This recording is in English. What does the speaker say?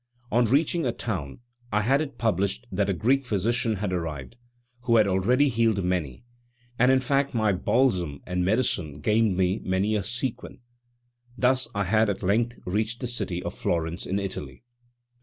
On reaching a town, I had it published that a Greek physician had arrived, who had already healed many; and in fact my balsam and medicine gained me many a sequin. Thus I had at length reached the city of Florence in Italy.